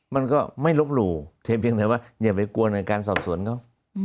มันก็ไม่ลบหลู่เพียงแต่ว่าอย่าไปกลัวหน่วยการสอบสวนเขา